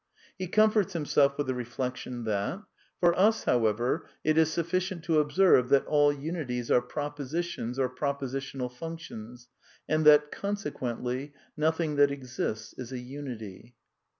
He comforts himself with the reflection that " for us, however, it is sufficient to^ observe that all unities are propositions or propositional functions, and that, consequently, nothing th a^ PTJgtfl fa a iinjtv.